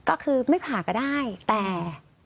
ก็คือไม่ผ่าก็ได้แต่